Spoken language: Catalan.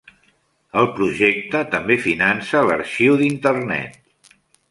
El projecte també finança l'Arxiu d'Internet.